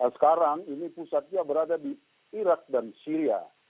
sekarang ini pusatnya berada di irak dan syria